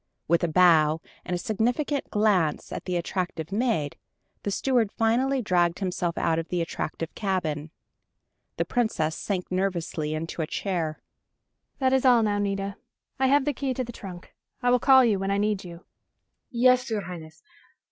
With a bow, and a significant glance at the attractive maid, the steward finally dragged himself out of the attractive cabin. The Princess sank nervously into a chair. "That is all, now, Nita. I have the key to the trunk. I will call you when I need you." "Yes, your Highness.